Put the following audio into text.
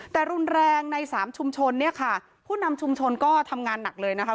แต่รุนแรงในสามชุมชนเนี่ยค่ะผู้นำชุมชนก็ทำงานหนักเลยนะคะ